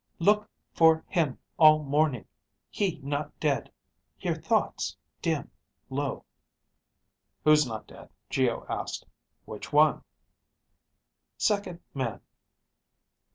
Look ... for ... him ... all ... morning. He ... not ... dead ... hear ... thoughts ... dim ... low. "Who's not dead?" Geo asked. "Which one?" _Second ... man.